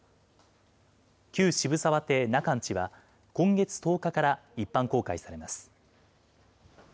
旧渋沢邸、中の家は、今月１０日から一般公開されます。